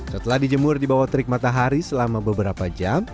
setelah dijemur di bawah terik matahari selama beberapa jam